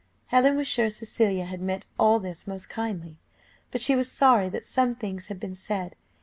Helen was sure Cecilia had meant all this most kindly, but she was sorry that some things had been said.